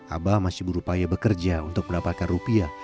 abah masih berupaya bekerja untuk mendapatkan rupiah